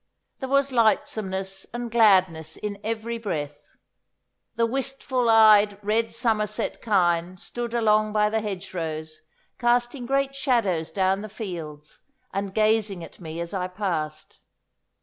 There was lightsomeness and gladness in every breath. The wistful eyed red Somerset kine stood along by the hedgerows, casting great shadows down the fields and gazing at me as I passed.